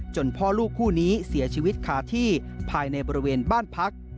พ่อลูกคู่นี้เสียชีวิตคาที่ภายในบริเวณบ้านพัก